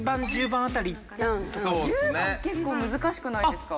１０番結構難しくないですか？